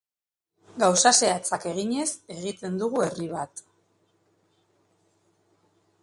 Gauza zehatzak eginez egiten dugu herri bat.